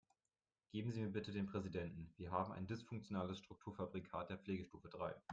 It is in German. Geben Sie mir bitte den Präsidenten, wir haben ein dysfunktionales Strukturfabrikat der Pflegestufe drei.